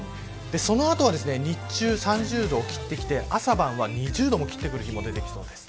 その後は日中３０度を切ってきて朝晩は２０度も切ってくる日が出てきそうです。